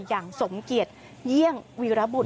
อย่างสมเกียรติเยี่ยงวิระบุตร